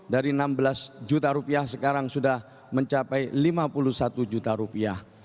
dari enam belas juta rupiah sekarang sudah mencapai lima puluh satu juta rupiah